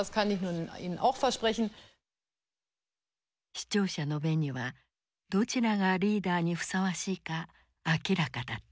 視聴者の目にはどちらがリーダーにふさわしいか明らかだった。